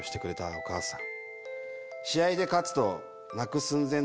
お母さん。